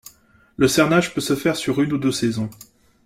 Le cernage peut se faire sur une ou deux saisons.